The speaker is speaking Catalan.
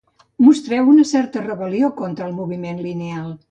Mostreu una cert rebel·lió contra el moviment lineal.